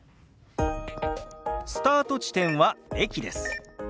スタート地点は駅です。